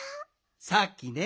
さっきね